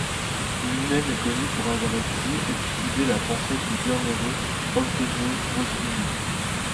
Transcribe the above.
Lui-même est connu pour avoir étudié et diffusé la pensée du bienheureux Antonio Rosmini.